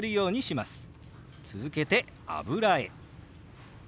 続けて「油絵」。